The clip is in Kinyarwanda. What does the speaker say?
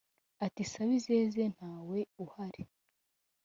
ati sabizeze ntawe uhari